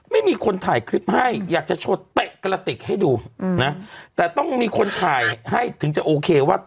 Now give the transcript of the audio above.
ไม่มีคนถ่ายคลิปให้อยากจะโชว์เตะกระติกให้ดูนะแต่ต้องมีคนถ่ายให้ถึงจะโอเคว่า